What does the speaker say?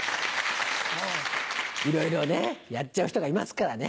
いろいろやっちゃう人がいますからね。